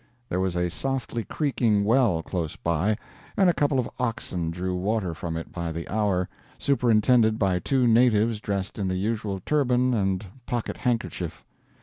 There was a softly creaking well close by, and a couple of oxen drew water from it by the hour, superintended by two natives dressed in the usual "turban and pocket handkerchief."